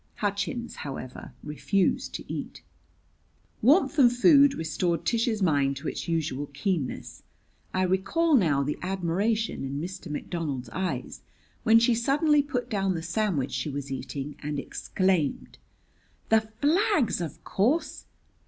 Hutchins, however, refused to eat. Warmth and food restored Tish's mind to its usual keenness. I recall now the admiration in Mr. McDonald's eyes when she suddenly put down the sandwich she was eating and exclaimed: "The flags, of course!